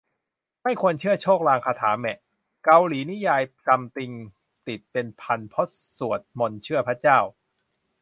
ไม่ควรเชื่อโชคลางคาถาแมะ เกาหลีนิกายซัมติงติดเป็นพันเพราะสวดมนต์เชื่อพระเจ้า